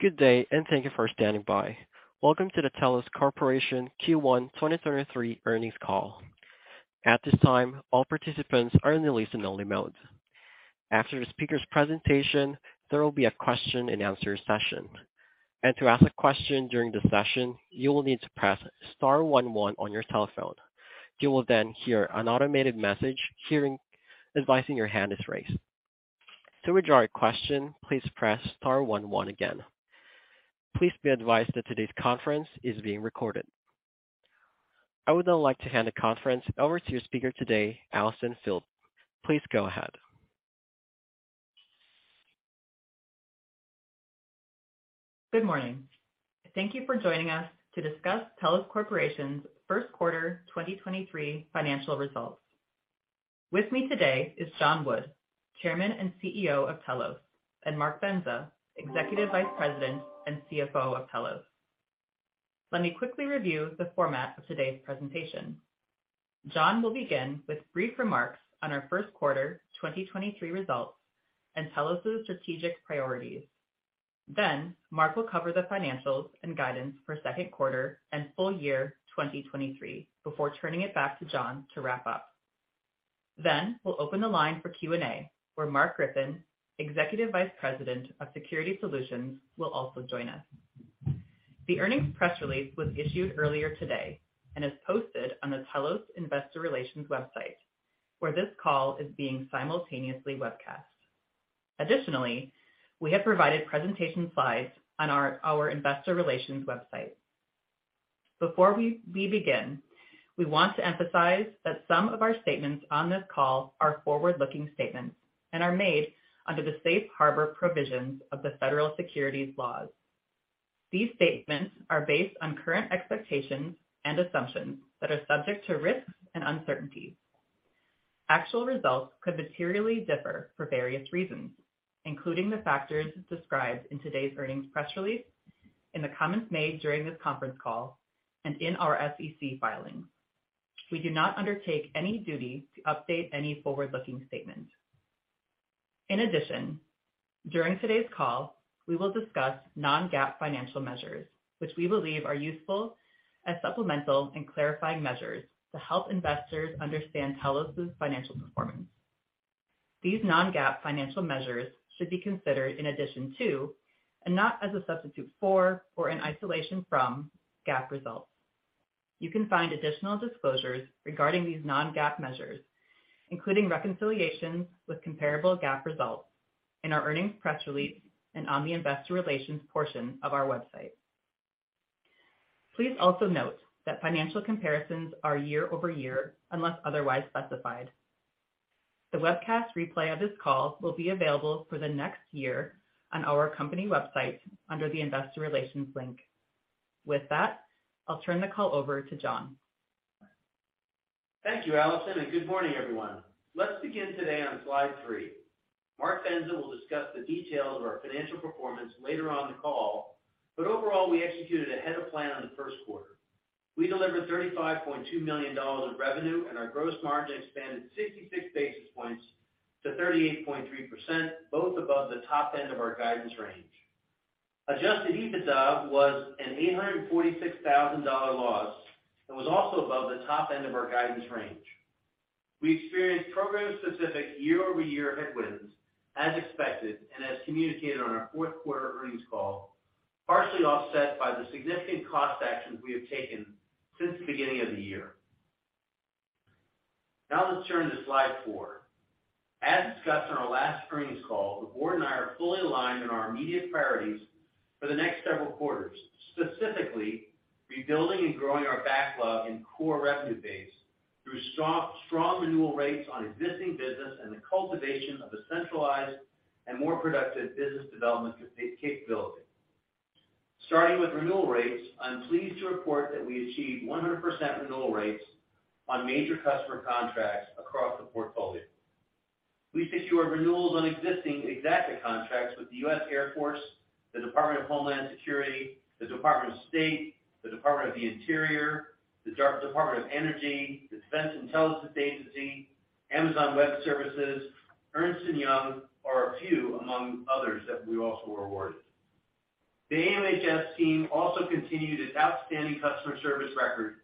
Good day and thank you for standing by. Welcome to the Telos Corporation Q1 2023 earnings call. At this time, all participants are in a listen-only mode. After the speaker's presentation, there will be a question-and-answer session. To ask a question during the session, you will need to press star one one on your telephone. You will then hear an automated message advising your hand is raised. To withdraw your question, please press star one one again. Please be advised that today's conference is being recorded. I would now like to hand the conference over to your speaker today, Allison Phillipp. Please go ahead. Good morning. Thank you for joining us to discuss Telos Corporation's first quarter 2023 financial results. With me today is John Wood, Chairman and CEO of Telos, and Mark Bendza, Executive Vice President and CFO of Telos. Let me quickly review the format of today's presentation. John will begin with brief remarks on our first quarter 2023 results and Telos' strategic priorities. Mark will cover the financials and guidance for second quarter and full year 2023 before turning it back to John to wrap up. We'll open the line for Q&A, where Mark Griffin, Executive Vice President of Security Solutions, will also join us. The earnings press release was issued earlier today and is posted on the Telos Investor Relations website, where this call is being simultaneously webcast. Additionally, we have provided presentation slides on our Investor Relations website. Before we begin, we want to emphasize that some of our statements on this call are forward-looking statements and are made under the Safe Harbor provisions of the Federal Securities laws. These statements are based on current expectations and assumptions that are subject to risks and uncertainties. Actual results could materially differ for various reasons, including the factors described in today's earnings press release, in the comments made during this conference call, and in our SEC filings. We do not undertake any duty to update any forward-looking statement. In addition, during today's call, we will discuss non-GAAP financial measures, which we believe are useful as supplemental and clarifying measures to help investors understand Telos' financial performance. These non-GAAP financial measures should be considered in addition to, and not as a substitute for or in isolation from, GAAP results. You can find additional disclosures regarding these non-GAAP measures, including reconciliations with comparable GAAP results, in our earnings press release and on the Investor Relations portion of our website. Please also note that financial comparisons are year-over-year, unless otherwise specified. The webcast replay of this call will be available for the next year on our company website under the Investor Relations link. With that, I'll turn the call over to John. Thank you, Allison, good morning, everyone. Let's begin today on slide 3. Mark Bendza will discuss the details of our financial performance later on in the call, but overall, we executed ahead of plan on the first quarter. We delivered $35.2 million of revenue, and our gross margin expanded 66 basis points to 38.3%, both above the top end of our guidance range. Adjusted EBITDA was an $846 thousand loss and was also above the top end of our guidance range. We experienced program-specific year-over-year headwinds as expected and as communicated on our fourth quarter earnings call, partially offset by the significant cost actions we have taken since the beginning of the year. Now let's turn to slide 4. As discussed on our last earnings call, the board and I are fully aligned on our immediate priorities for the next several quarters, specifically rebuilding and growing our backlog and core revenue base through strong renewal rates on existing business and the cultivation of a centralized and more productive business development capability. Starting with renewal rates, I'm pleased to report that we achieved 100% renewal rates on major customer contracts across the portfolio. We secured renewals on existing contracts with the US Air Force, the Department of Homeland Security, the Department of State, the Department of the Interior, the Department of Energy, the Defense Intelligence Agency, Amazon Web Services, Ernst & Young are a few among others that we also awarded. The AMHS team also continued its outstanding customer service record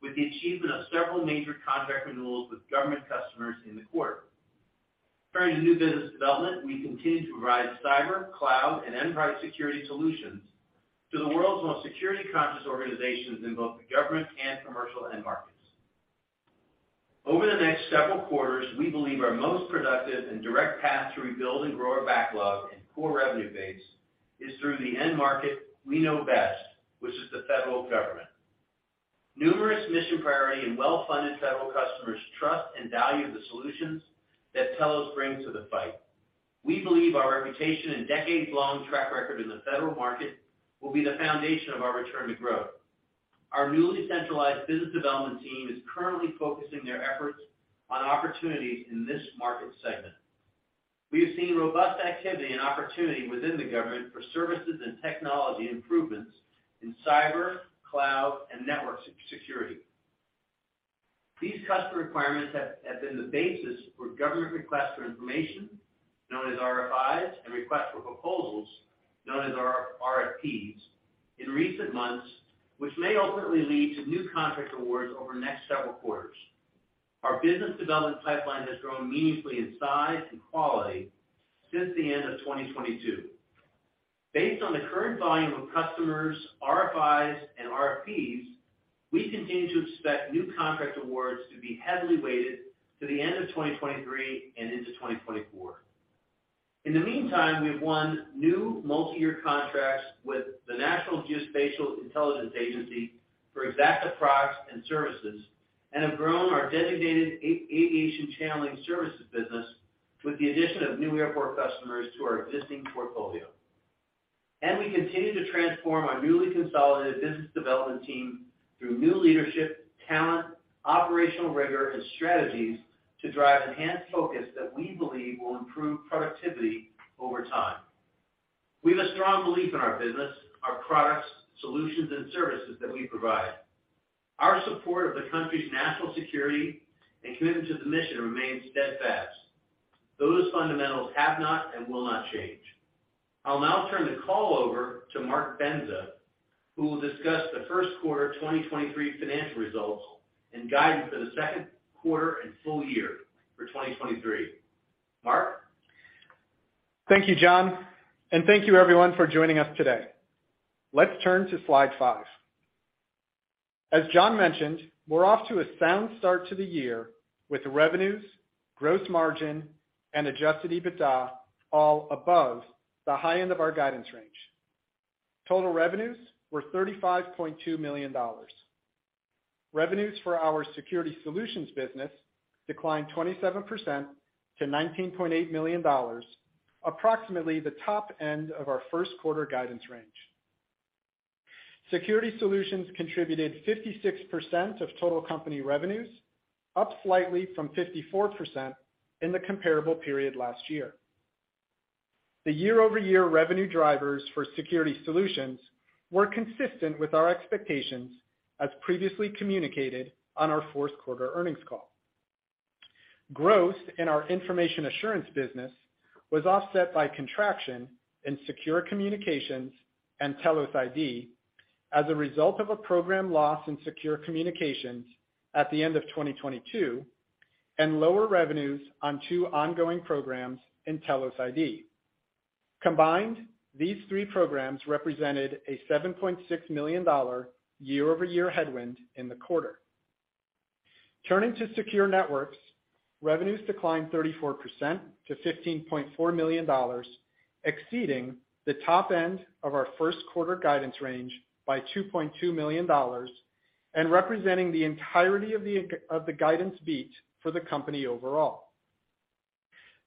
with the achievement of several major contract renewals with government customers in the quarter. Turning to new business development, we continue to provide cyber, cloud, and enterprise security solutions to the world's most security-conscious organizations in both the government and commercial end markets. Over the next several quarters, we believe our most productive and direct path to rebuild and grow our backlog and core revenue base is through the end market we know best, which is the federal government. Numerous mission priority and well-funded federal customers trust and value the solutions that Telos bring to the fight. We believe our reputation and decades-long track record in the federal market will be the foundation of our return to growth. Our newly centralized business development team is currently focusing their efforts on opportunities in this market segment. We have seen robust activity and opportunity within the government for services and technology improvements in cyber, cloud, and network security. These customer requirements have been the basis for government Requests for Information, known as RFIs, and Requests for Proposals, known as RFPs, in recent months, which may ultimately lead to new contract awards over the next several quarters. Our business development pipeline has grown meaningfully in size and quality since the end of 2022. Based on the current volume of customers, RFIs, and RFPs, we continue to expect new contract awards to be heavily weighted to the end of 2023 and into 2024. In the meantime, we've won new multi-year contracts with the National Geospatial-Intelligence Agency for Xacta products and services, and have grown our Designated Aviation Channeling services business with the addition of new airport customers to our existing portfolio. We continue to transform our newly consolidated business development team through new leadership, talent, operational rigor, and strategies to drive enhanced focus that we believe will improve productivity over time. We have a strong belief in our business, our products, solutions, and services that we provide. Our support of the country's national security and commitment to the mission remains steadfast. Those fundamentals have not and will not change. I'll now turn the call over to Mark Bendza, who will discuss the first quarter of 2023 financial results and guidance for the second quarter and full year for 2023. Mark? Thank you, John, and thank you everyone for joining us today. Let's turn to slide five. As John mentioned, we're off to a sound start to the year with revenues, gross margin, and Adjusted EBITDA all above the high end of our guidance range. Total revenues were $35.2 million. Revenues for our Security Solutions business declined 27% to $19.8 million, approximately the top end of our first quarter guidance range. Security Solutions contributed 56% of total company revenues, up slightly from 54% in the comparable period last year. The year-over-year revenue drivers for Security Solutions were consistent with our expectations as previously communicated on our fourth quarter earnings call. Growth in our Information Assurance business was offset by contraction in Secure Communications and Telos ID as a result of a program loss in Secure Communications at the end of 2022 and lower revenues on two ongoing programs in Telos ID. Combined, these three programs represented a $7.6 million year-over-year headwind in the quarter. Turning to Secure Networks, revenues declined 34% to $15.4 million, exceeding the top end of our first quarter guidance range by $2.2 million and representing the entirety of the guidance beat for the company overall.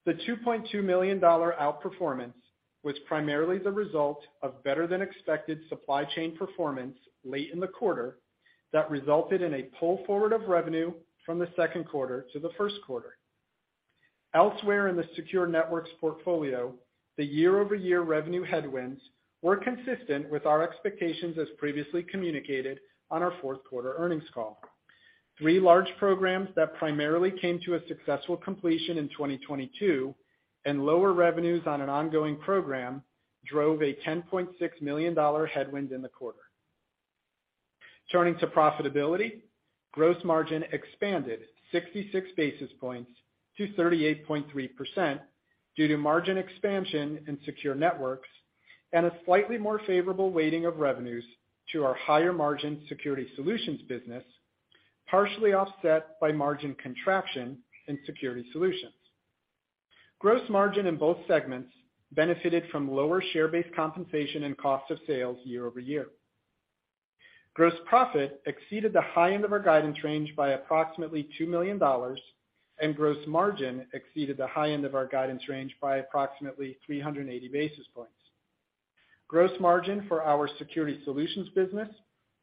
The $2.2 million outperformance was primarily the result of better-than-expected supply chain performance late in the quarter that resulted in a pull forward of revenue from the second quarter to the first quarter. Elsewhere in the Secure Networks portfolio, the year-over-year revenue headwinds were consistent with our expectations as previously communicated on our fourth quarter earnings call. Three large programs that primarily came to a successful completion in 2022 and lower revenues on an ongoing program drove a $10.6 million headwind in the quarter. Turning to profitability, gross margin expanded 66 basis points to 38.3% due to margin expansion in Secure Networks and a slightly more favorable weighting of revenues to our higher-margin Security Solutions business, partially offset by margin contraction in Security Solutions. Gross margin in both segments benefited from lower share-based compensation and cost of sales year-over-year. Gross profit exceeded the high end of our guidance range by approximately $2 million, and gross margin exceeded the high end of our guidance range by approximately 380 basis points. Gross margin for our Security Solutions business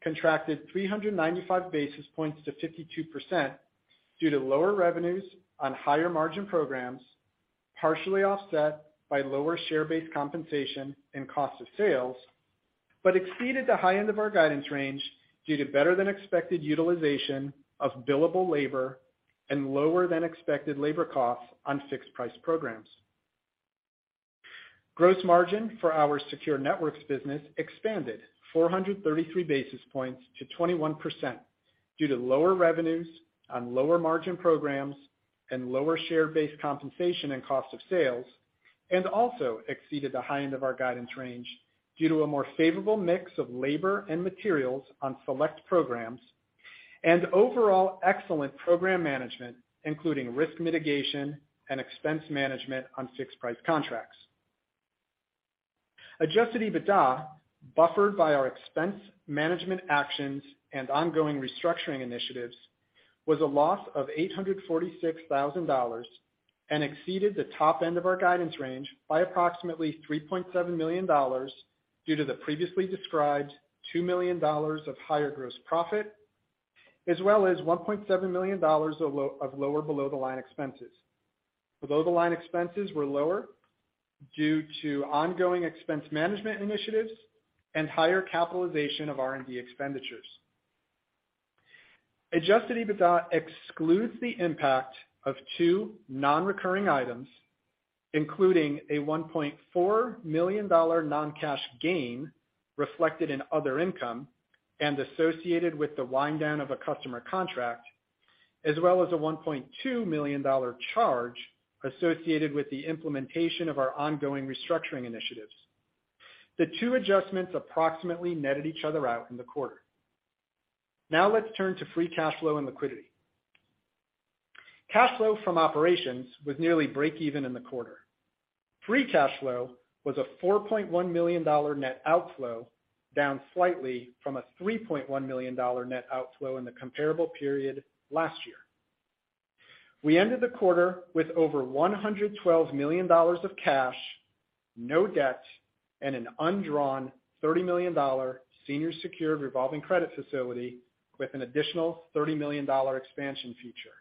contracted 395 basis points to 52% due to lower revenues on higher-margin programs, partially offset by lower share-based compensation and cost of sales, but exceeded the high end of our guidance range due to better-than-expected utilization of billable labor and lower-than-expected labor costs on fixed-price programs. Gross margin for our Secure Networks business expanded 433 basis points to 21% due to lower revenues on lower-margin programs and lower share-based compensation and cost of sales, and also exceeded the high end of our guidance range due to a more favorable mix of labor and materials on select programs and overall excellent program management, including risk mitigation and expense management on fixed-price contracts. Adjusted EBITDA, buffered by our expense management actions and ongoing restructuring initiatives, was a loss of $846,000 and exceeded the top end of our guidance range by approximately $3.7 million due to the previously described $2 million of higher gross profit as well as $1.7 million of lower below-the-line expenses. Below-the-line expenses were lower due to ongoing expense management initiatives and higher capitalization of R&D expenditures. Adjusted EBITDA excludes the impact of two non-recurring items, including a $1.4 million non-cash gain reflected in other income and associated with the wind down of a customer contract, as well as a $1.2 million charge associated with the implementation of our ongoing restructuring initiatives. The two adjustments approximately netted each other out in the quarter. Let's turn to free cash flow and liquidity. Cash flow from operations was nearly breakeven in the quarter. Free cash flow was a $4.1 million net outflow, down slightly from a $3.1 million net outflow in the comparable period last year. We ended the quarter with over $112 million of cash, no debt, and an undrawn $30 million senior secured revolving credit facility with an additional $30 million expansion feature.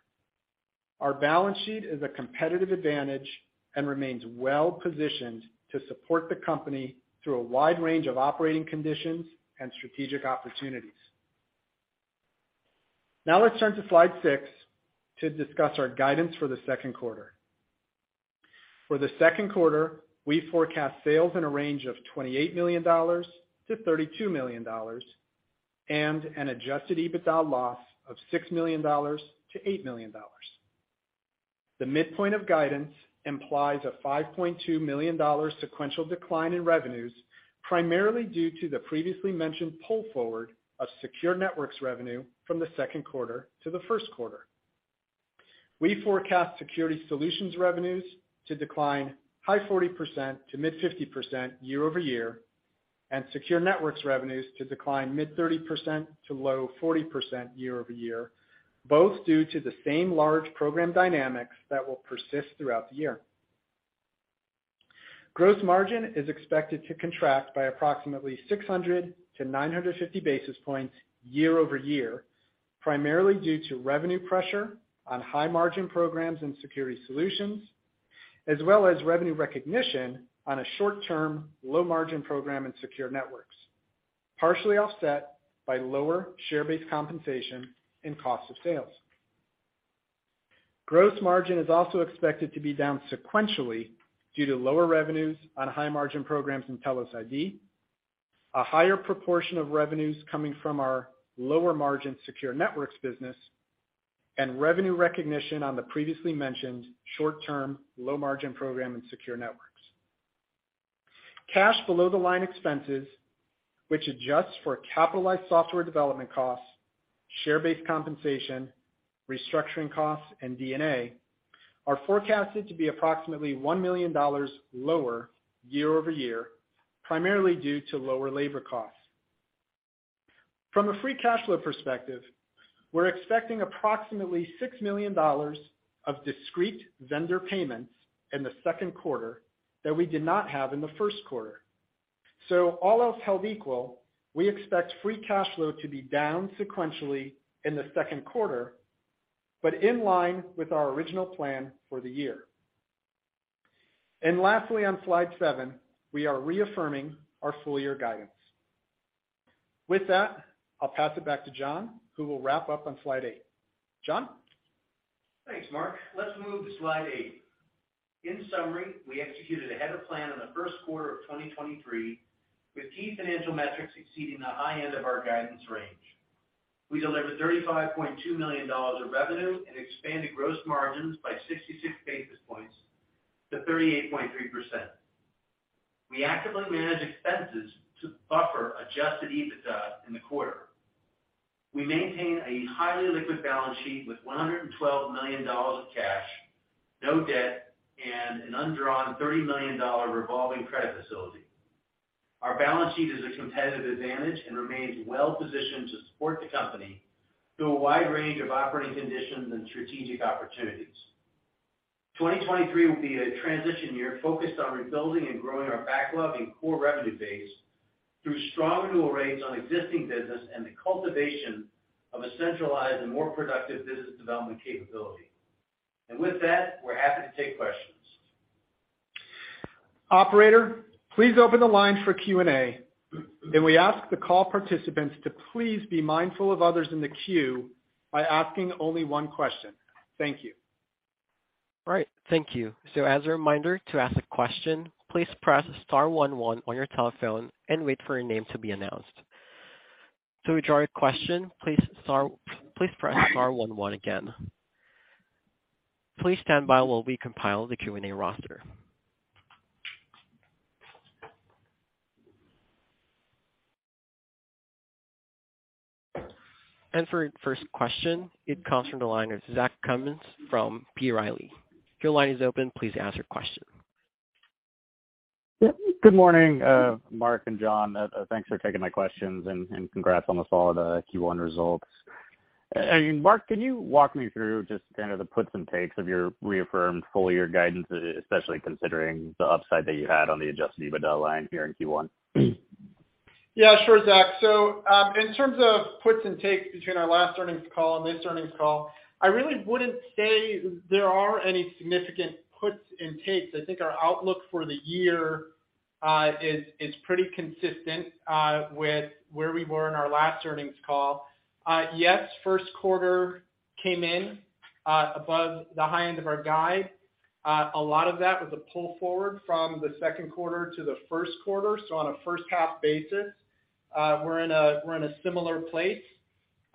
Our balance sheet is a competitive advantage and remains well-positioned to support the company through a wide range of operating conditions and strategic opportunities. Now let's turn to slide 6 to discuss our guidance for the second quarter. For the second quarter, we forecast sales in a range of $28 million-$32 million and an Adjusted EBITDA loss of $6 million-$8 million. The midpoint of guidance implies a $5.2 million sequential decline in revenues, primarily due to the previously mentioned pull forward of Secure Networks revenue from the second quarter to the first quarter. We forecast Security Solutions revenues to decline high 40% to mid-50% year-over-year, and Secure Networks revenues to decline mid 30% to low 40% year-over-year, both due to the same large program dynamics that will persist throughout the year. Gross margin is expected to contract by approximately 600 basis points-950 basis points year-over-year, primarily due to revenue pressure on high margin programs and Security Solutions, as well as revenue recognition on a short-term low margin program in Secure Networks, partially offset by lower share-based compensation and cost of sales. Gross margin is also expected to be down sequentially due to lower revenues on high margin programs in Telos ID, a higher proportion of revenues coming from our lower margin Secure Networks business, and revenue recognition on the previously mentioned short-term low margin program in Secure Networks. Cash below the line expenses, which adjusts for capitalized software development costs, share-based compensation, restructuring costs, and D&A, are forecasted to be approximately $1 million lower year-over-year, primarily due to lower labor costs. From a free cash flow perspective, we're expecting approximately $6 million of discrete vendor payments in the second quarter that we did not have in the first quarter. All else held equal, we expect free cash flow to be down sequentially in the second quarter, but in line with our original plan for the year. Lastly, on slide 7, we are reaffirming our full-year guidance. With that, I'll pass it back to John, who will wrap up on slide 8. John? Thanks, Mark. Let's move to slide 8. In summary, we executed ahead of plan on the first quarter of 2023 with key financial metrics exceeding the high end of our guidance range. We delivered $35.2 million of revenue and expanded gross margins by 66 basis points to 38.3%. We actively manage expenses to buffer Adjusted EBITDA in the quarter. We maintain a highly liquid balance sheet with $112 million of cash, no debt, and an undrawn $30 million revolving credit facility. Our balance sheet is a competitive advantage and remains well-positioned to support the company through a wide range of operating conditions and strategic opportunities. 2023 will be a transition year focused on rebuilding and growing our backlog and core revenue base through strong renewal rates on existing business and the cultivation of a centralized and more productive business development capability. With that, we're happy to take questions. Operator, please open the line for Q&A. We ask the call participants to please be mindful of others in the queue by asking only 1 question. Thank you. All right, thank you. As a reminder to ask a question, please press star one one on your telephone and wait for your name to be announced. To withdraw your question, please press star one one again. Please stand by while we compile the Q&A roster. For your first question, it comes from the line of Zach Cummins from B. Riley. Your line is open. Please ask your question. Good morning, Mark and John. Thanks for taking my questions and congrats on the solid Q1 results. Mark, can you walk me through just kind of the puts and takes of your reaffirmed full-year guidance, especially considering the upside that you had on the Adjusted EBITDA line here in Q1? Yeah. Sure, Zach. In terms of puts and takes between our last earnings call and this earnings call, I really wouldn't say there are any significant puts and takes. I think our outlook for the year is pretty consistent with where we were in our last earnings call. Yes, first quarter came in above the high end of our guide. A lot of that was a pull forward from the second quarter to the first quarter. On a first half basis, we're in a similar place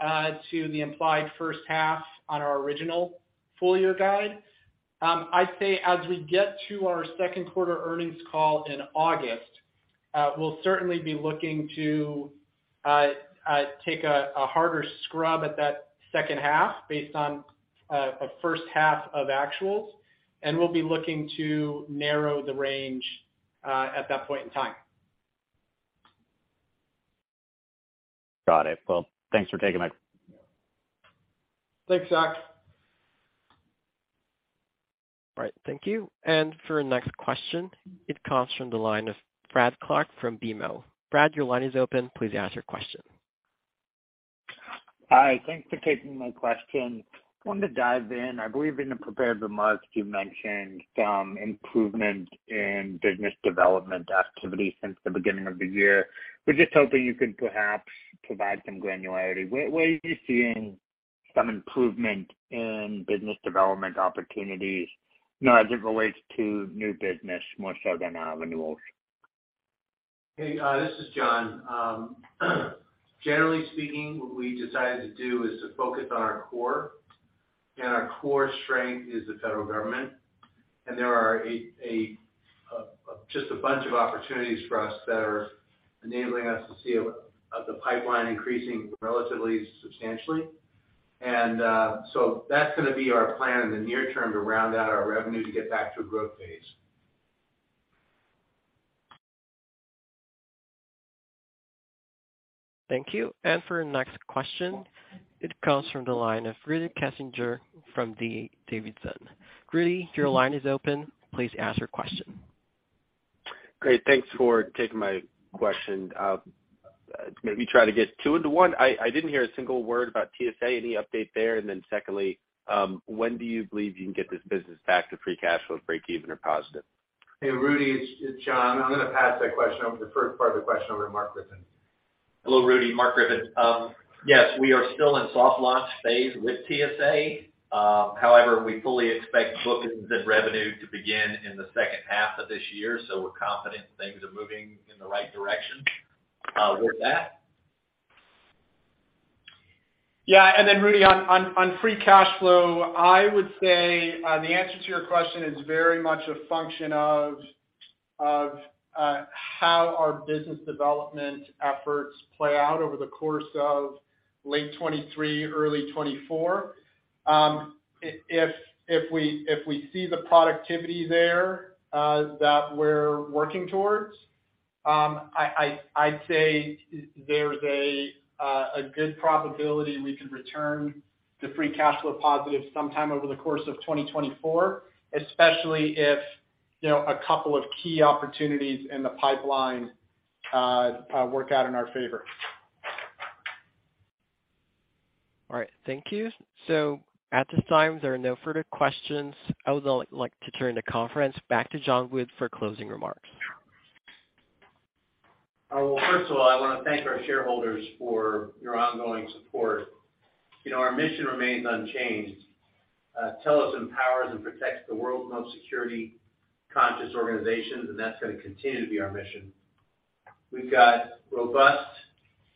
to the implied first half on our original full year guide. I'd say as we get to our second quarter earnings call in August, we'll certainly be looking to take a harder scrub at that second half based on a first half of actuals, and we'll be looking to narrow the range at that point in time. Got it. Well, thanks for taking my call. Thanks, Zach. All right. Thank you. For our next question, it comes from the line of Brad Clark from BMO. Brad, your line is open. Please ask your question. Hi. Thanks for taking my question. Wanted to dive in. I believe in the prepared remarks you mentioned some improvement in business development activity since the beginning of the year. Was just hoping you could perhaps provide some granularity. Where are you seeing some improvement in business development opportunities, you know, as it relates to new business more so than renewals? Hey, this is John. Generally speaking, what we decided to do is to focus on our core, and our core strength is the federal Government. There are a just a bunch of opportunities for us that are enabling us to see a the pipeline increasing relatively substantially. So that's gonna be our plan in the near term to round out our revenue to get back to a growth phase. Thank you. For our next question, it comes from the line of Rudy Kessinger from Davidson. Rudy, your line is open. Please ask your question. Great. Thanks for taking my question. Maybe try to get two into one. I didn't hear a single word about TSA, any update there? Secondly, when do you believe you can get this business back to free cash flow breakeven or positive? Hey, Rudy, it's John. I'm gonna pass that question over, the first part of the question over to Mark Griffin. Hello, Rudy. Mark Griffin. Yes, we are still in soft launch phase with TSA. However, we fully expect book-of-business revenue to begin in the second half of this year, we're confident things are moving in the right direction with that. Yeah. Rudy, on free cash flow, I would say, the answer to your question is very much a function of how our business development efforts play out over the course of late 2023, early 2024. If we see the productivity there, that we're working towards, I'd say there's a good probability we could return to free cash flow positive sometime over the course of 2024, especially if, you know, 2 key opportunities in the pipeline, work out in our favor. All right. Thank you. At this time, there are no further questions. I would now like to turn the conference back to John Wood for closing remarks. Well, first of all, I wanna thank our shareholders for your ongoing support. You know, our mission remains unchanged. Telos empowers and protects the world's most security conscious organizations, that's gonna continue to be our mission. We've got robust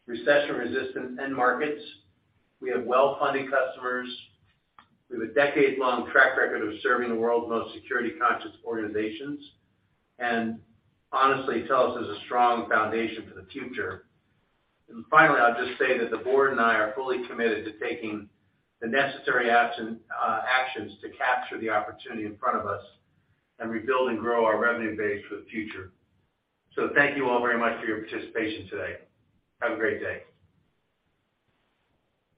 recession resistant end markets. We have well-funded customers. We have a decade-long track record of serving the world's most security conscious organizations. Honestly, Telos is a strong foundation for the future. Finally, I'll just say that the board and I are fully committed to taking the necessary action, actions to capture the opportunity in front of us and rebuild and grow our revenue base for the future. Thank you all very much for your participation today. Have a great day.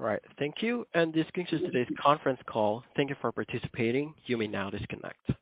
All right. Thank you. This concludes today's conference call. Thank you for participating. You may now disconnect.